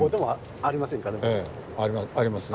ありますね